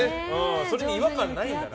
それに違和感ないんだな。